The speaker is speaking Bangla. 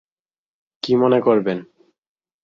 কী মনে করবেন?